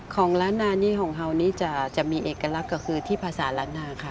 ของร้านนานี่ของเฮานี่จะมีเอกลักษณ์ก็คือที่ภาษาล้านนาค่ะ